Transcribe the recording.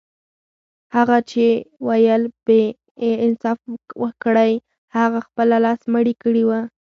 هغه چي ويل يې انصاف وکړئ هغه خپله لس مړي کړي وه.